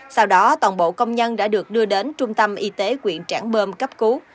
sau đó toàn bộ công nhân đã được đưa đến trung tâm y tế quyện trảng bơm cấp cứu